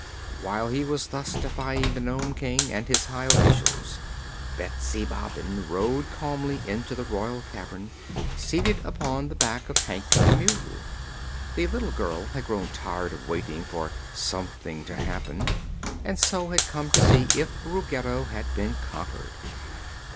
While he was thus defying the Nome King and his high officials, Betsy Bobbin rode calmly into the royal cavern, seated upon the back of Hank the mule. The little girl had grown tired of waiting for "something to happen" and so had come to see if Ruggedo had been conquered.